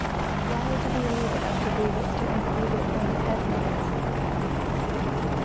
Why did he leave it up to Davis to include it in the headnotes?